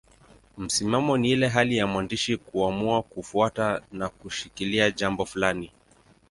Msimamo ni ile hali ya mwandishi kuamua kufuata na kushikilia jambo fulani.